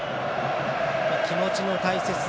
気持ちの大切さ